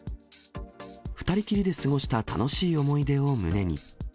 ２人きりで過ごした楽しい思い出を胸に。